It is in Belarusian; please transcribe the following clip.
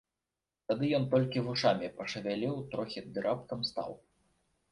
Тады ён толькі вушамі пашавяліў трохі ды раптам стаў.